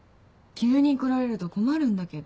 急に来られると困るんだけど。